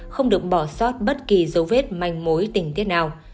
không được bỏ sót bất kỳ dấu vết manh mối tình tiết nào